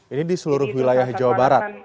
ini di seluruh wilayah jawa barat